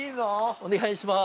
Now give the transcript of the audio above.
お願いします。